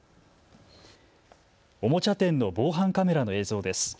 おもちゃ店の防犯カメラの映像です。